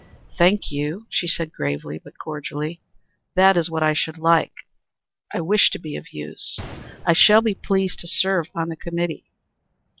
"Thank you," she said, gravely, but cordially. "That is what I should like. I wish to be of use. I shall be pleased to serve on the committee."